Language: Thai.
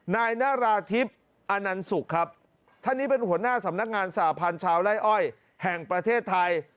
นายนาราธิบอนันสุกครับท่านนี้เป็นหัวหน้าสำนักงานสาพันธ์ชาวไล่อ้อยแห่งประเทศไทย